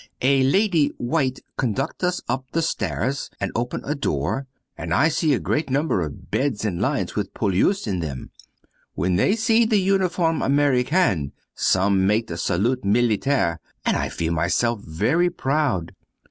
A lady white conduct us up the stairs and open a door, and I see a great number of beds in lines with Poilus in them. When they see the uniform American some make the salute military and I feel myself very proud.